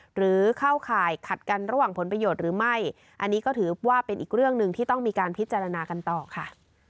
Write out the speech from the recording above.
หรือเข้าข่ายขัดกันระหว่างผลประโยชน์หรือไม่อันนี้ก็ถือว่าเป็นอีกเรื่องหนึ่งที่ต้องมีการพิจารณากันต่อค่ะ